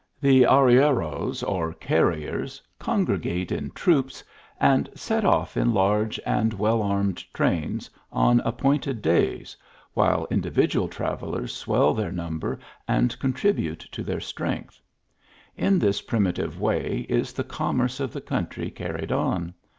The arrieros or carriers, con gregate in troops, and set off in large and well armed trains on appointed days, while individual travellers swell their number and contribute to their strength. In this primitive way is the commerce of the country carried on.